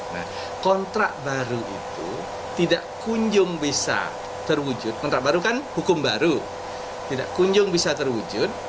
nah kontrak baru itu tidak kunjung bisa terwujud kontrak baru kan hukum baru tidak kunjung bisa terwujud